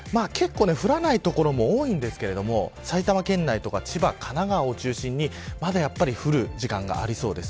降らない所も多いのですが埼玉県内や千葉、神奈川を中心にまだ降る時間がありそうです。